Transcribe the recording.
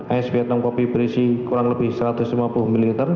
es vietnam kopi berisi kurang lebih satu ratus lima puluh ml